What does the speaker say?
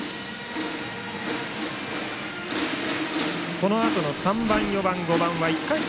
このあとの３番、４番、５番は１回戦